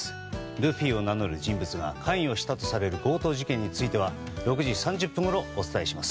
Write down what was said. ルフィを名乗る人物が関与したとされる強盗事件については６時３０分ごろ、お伝えします。